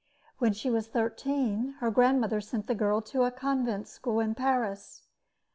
When she was thirteen, her grandmother sent the girl to a convent school in Paris.